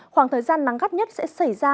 khoảng thời gian nắng gắt nhất sẽ xảy ra